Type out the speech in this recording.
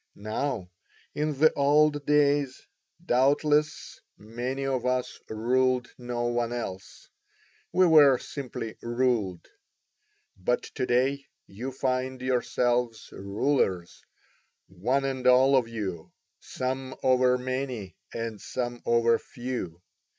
Now in the old days, doubtless, many of us ruled no one else, we were simply ruled. But to day you find yourselves rulers, one and all of you, some over many and some over few.